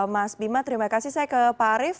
mas bima terima kasih saya ke pak arief